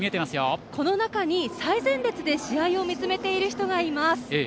この中に最前列で試合を見つめている人がいます。